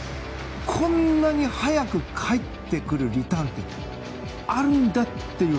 こんなに速く帰ってくるリターンってあるんだっていう。